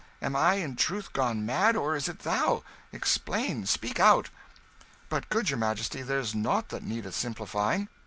Am I in truth gone mad, or is it thou? Explain speak out." "But, good your Majesty, there's nought that needeth simplifying.